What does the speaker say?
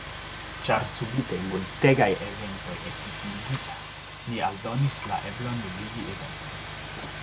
Ĉar subite multegaj eventoj estis nuligitaj, ni aldonis la eblon nuligi eventon.